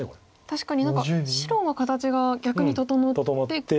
確かに何か白の形が逆に整って。